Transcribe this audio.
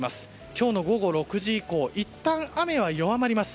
今日の午後６時以降いったん雨は弱ります。